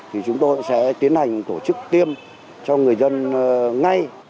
thì chúng tôi sẽ tiến hành tổ chức tiêm cho người dân ngay